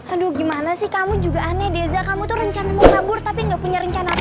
aduh gimana sih kamu juga aneh riza kamu tuh rencana mau kabur tapi gak punya rencana apa apa